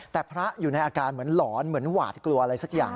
แต่พระอยู่ในอาการเหมือนหลอนเหมือนหวาดกลัวอะไรสักอย่าง